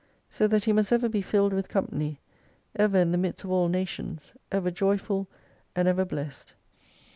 So that he must ever be filled with company, ever in the midst of all nations, ever joyful, and ever blessed.